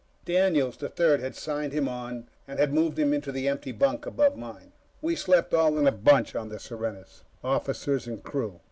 Daniels, the Third, had signed him on and had moved him into the empty bunk above mine. We slept all in a bunch on the Serenus officers and crew.